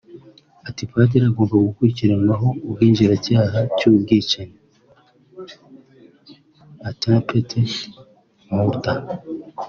Ati “Padiri agomba gukurikiranwaho ubwinjiracyaha cy’ubwicanyi (attempted murder)